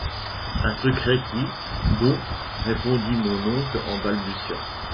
Un secret qui… dont… , répondit mon oncle en balbutiant.